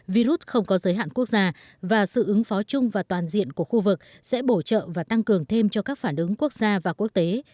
virus không có giới hạn quốc gia và sự ứng phó chung và toàn diện của khu vực sẽ bổ trợ và tăng cường thêm cho các phản ứng quốc gia và quốc tế